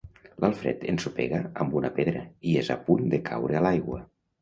L'Alfred ensopega amb una pedra i és a punt de caure a l'aigua.